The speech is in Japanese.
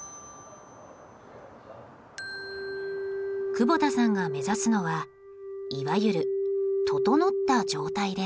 窪田さんが目指すのはいわゆるととのった状態です。